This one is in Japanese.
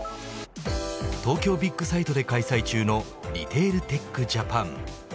東京ビッグサイトで開催中のリテールテックＪＡＰＡＮ。